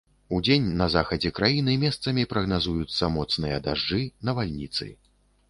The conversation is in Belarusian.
Удзень на захадзе краіны месцамі прагназуюцца моцныя дажджы, навальніцы.